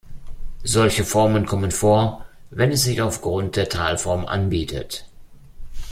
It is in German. Solche Formen kommen vor, wenn es sich aufgrund der Talform anbietet.